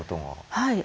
はい。